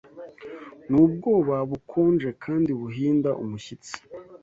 N'ubwoba bukonje kandi buhinda umushyitsi